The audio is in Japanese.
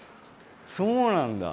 そうなんだ。